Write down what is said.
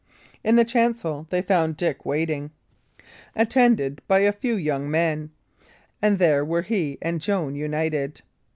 In the chancel they found Dick waiting, attended by a few young men; and there were he and Joan united.